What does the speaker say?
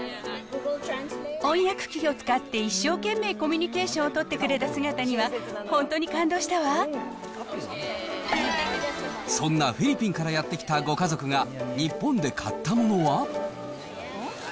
翻訳機を使って、一生懸命コミュニケーションを取ってくれたそんなフィリピンからやって来たご家族が、日本で買ったものは？